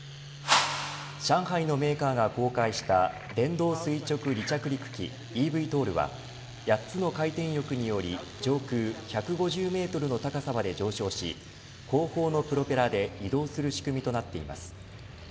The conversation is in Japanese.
上海のメーカーが公開した電動垂直離着陸機ｅＶＴＯＬは８つの回転翼により上空１５０メートルの高さまで上昇し後方のプロペラで移動する仕組みとなっています。